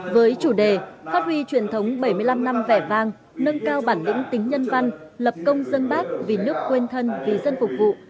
với chủ đề phát huy truyền thống bảy mươi năm năm vẻ vang nâng cao bản lĩnh tính nhân văn lập công dân bác vì nước quên thân vì dân phục vụ